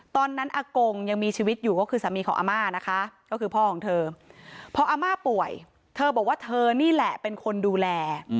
อากงยังมีชีวิตอยู่ก็คือสามีของอาม่านะคะก็คือพ่อของเธอพออาม่าป่วยเธอบอกว่าเธอนี่แหละเป็นคนดูแล